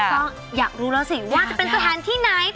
ก็อยากรู้แล้วสิว่าจะเป็นสถานที่ไหน